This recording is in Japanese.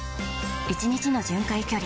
１日の巡回距離